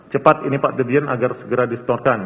cepat ini pak didian agar segera disetorkan